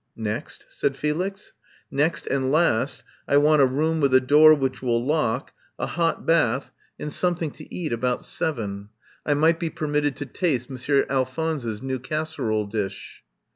"Next?" said Felix. "Next and last, I want a room with a door which will lock, a hot bath, and something to 184 I FIND SANCTUARY eat about seven. I might be permitted to taste Monsieur Alphonse's new casserole dish."